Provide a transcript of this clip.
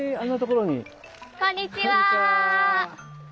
こんにちは。